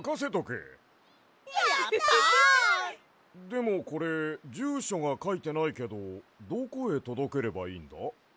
でもこれじゅうしょがかいてないけどどこへとどければいいんだ？